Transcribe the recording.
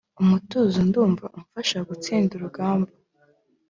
umutuzo ndumva umfasha gutsinda urugamba.